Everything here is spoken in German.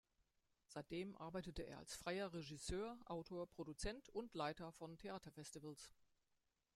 Seitdem arbeitete er als freier Regisseur, Autor, Produzent und Leiter von Theaterfestivals.